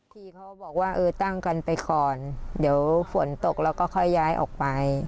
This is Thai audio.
ที่เขาบอกว่าเออตั้งกันไปก่อนเดี๋ยวฝนตกแล้วก็ค่อยย้ายออกไป